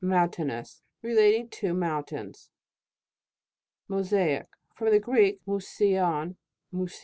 Mountainous. Re lating to mountains. MOSAIC. From the Greek, mouseion, mows/0